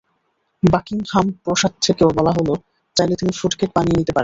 Buckingham প্রাসাদ থেকেও বলা হলো, চাইলে তিনি ফ্রুট কেক বানিয়ে নিতে পারেন।